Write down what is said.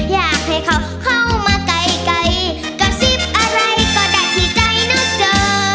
อยากให้เขาเข้ามาไกลกระซิบอะไรก็ได้ที่ใจเนอะเธอ